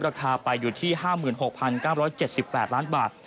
ราคาไปอยู่ที่๕๖๙๗๘ล้านบาท